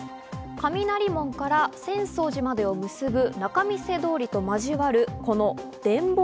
雷門から浅草寺までを結ぶ仲見世通りと交わる